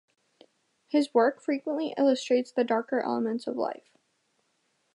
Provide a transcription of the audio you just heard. His work frequently illustrates the darker elements of life.